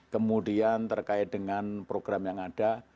kemudian terkait dengan program yang ada